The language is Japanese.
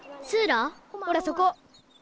ほらそこ。